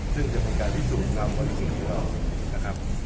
ซึ่งเป็นบริการที่สูงความบริสุทธิ์อยู่แล้วนะครับ